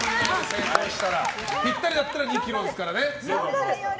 ぴったりだったら２ｋｇですからね。